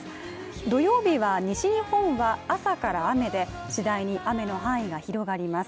土曜日は西日本は朝から雨でしだいに雨の範囲が広がります。